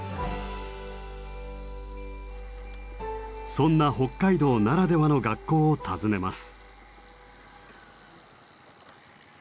そんな北海道ならではの学校を訪ねます。